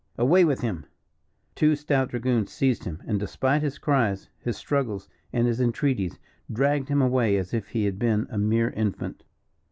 "Away with him." Two stout dragoons seized him, and despite his cries, his struggles and entreaties, dragged him away as if he had been a mere infant.